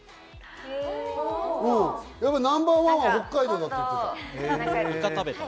ナンバーワンは北海道だって言ってた。